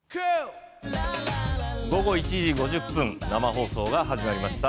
午後１時５０分生放送が始まりました。